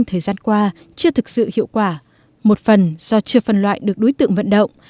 thời gian qua chưa thực sự hiệu quả một phần do chưa phân loại được đối tượng vận động